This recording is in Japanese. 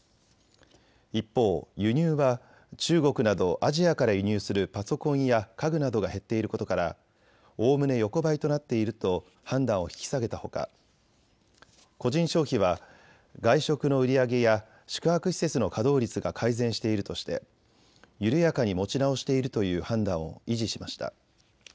一方、輸入は中国などアジアから輸入するパソコンや家具などが減っていることからおおむね横ばいとなっていると判断を引き下げたほか、個人消費は外食の売り上げや宿泊施設の稼働率が改善しているとして緩やかに持ち直しているという判断を維持しました。